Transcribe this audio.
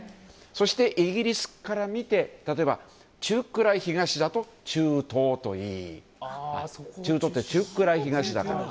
そして、イギリスから見て例えば中くらい東だと中東といい中東って中くらい東だから。